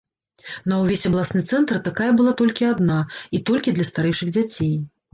На ўвесь абласны цэнтр такая была толькі адна і толькі для старэйшых дзяцей.